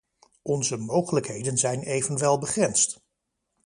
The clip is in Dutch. Onze mogelijkheden zijn evenwel begrensd.